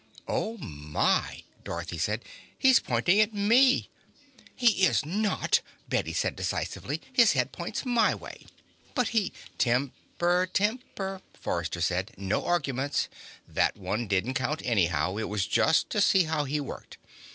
"Oh, my!" Dorothy said. "He's pointing at me!" "He is not!" Bette said decisively. "His head points my way!" "But he " "Temper, temper," Forrester said. "No arguments. That one didn't count, anyhow it was just to see how he worked.